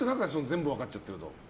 全部分かっちゃってると。